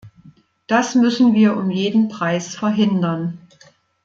Das müssen wir um jeden Preis verhindern.